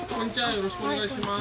よろしくお願いします。